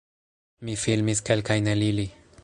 Mi filmis kelkajn el ili